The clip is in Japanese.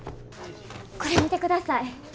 これ見てください。